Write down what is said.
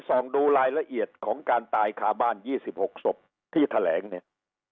ส่องดูรายละเอียดของการตายคาบ้าน๒๖ศพที่แถลงเนี่ย